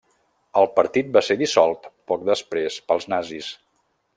El partit va ser dissolt poc després pels nazis.